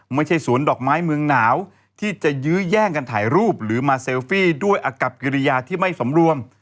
ไม่ใช่สวนดอกไม้เมืองหนาวที่จะยื้อแย่งกันถ่ายรูปหรือมาเซลฟี่ด้วยอากับกิริยาที่ไม่สมรวม